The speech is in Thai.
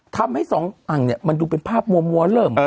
ทำให้สองอ่างเนี่ยมันดูเป็นภาพมัวเริ่ม